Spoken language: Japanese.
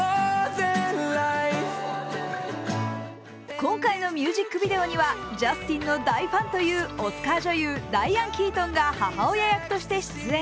今回のミュージックビデオにはジャスティンの大ファンというオスカー女優、ダイアン・キートンが母親役として出演。